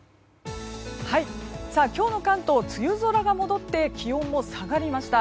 今日の関東は梅雨空が戻って気温も下がりました。